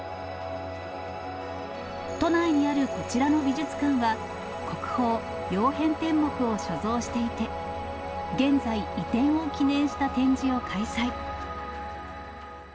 都内にあるこちらの美術館は、国宝、曜変天目を所蔵していて、現在、移転を記念した展示を開催。